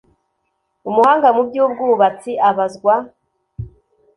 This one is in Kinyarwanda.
Umuhanga mu by ubwubatsi abazwa